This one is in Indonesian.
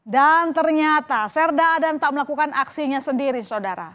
dan ternyata serda adan tak melakukan aksinya sendiri saudara